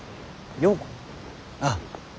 ああ。